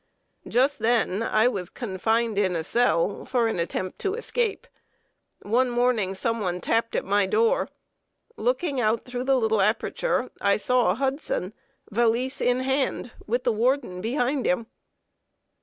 Just then I was confined in a cell for an attempt to escape. One morning some one tapped at my door; looking out through the little aperture, I saw Hudson, valise in hand, with the warden behind him.